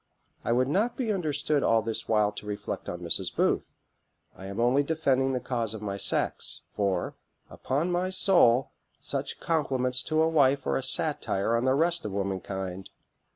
I would not be understood all this while to reflect on Mrs. Booth. I am only defending the cause of my sex; for, upon my soul, such compliments to a wife are a satire on all the rest of womankind."